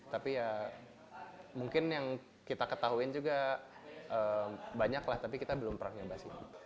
tapi ya mungkin yang kita ketahui juga banyak lah tapi kita belum pernah nyoba sih